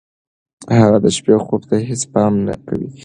هغه د شپې خوب ته هېڅ پام نه کوي.